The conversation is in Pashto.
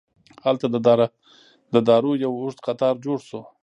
هلته د دارو یو اوږد قطار جوړ شو.